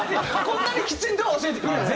こんなにきちんとは教えてくれない？